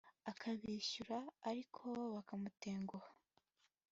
akabishyura ariko bo bakamutenguha